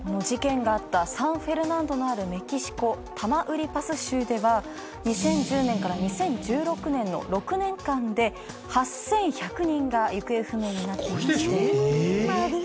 事件があったサンフェルナンドのあるメキシコタマウリパス州では２０１０年から２０１６年の６年間で８，１００人が行方不明になっていまして。